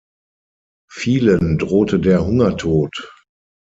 Vielen drohte der Hungertod.